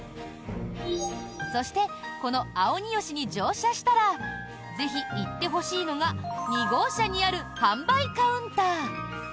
そして、このあをによしに乗車したらぜひ行ってほしいのが２号車にある販売カウンター！